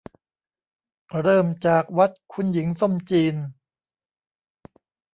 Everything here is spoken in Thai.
เริ่มจากวัดคุณหญิงส้มจีน